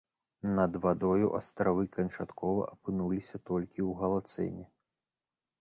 Над вадою астравы канчаткова апынуліся толькі ў галацэне.